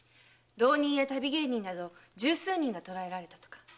浪人や旅芸人など十数人が捕らえられたとか。